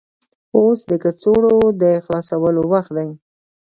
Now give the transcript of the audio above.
اوس د کڅوړو د خلاصولو وخت دی.